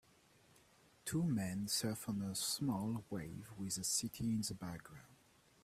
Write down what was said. Two men surf on a small wave with a city in the background.